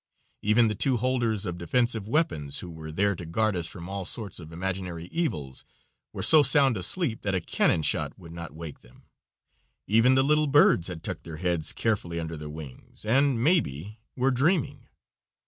Even the two holders of defensive weapons, who were there to guard us from all sorts of imaginary evils, were so sound asleep that a cannon shot would not wake them. Even the little birds had tucked their heads carefully under their wings and, maybe, were dreaming.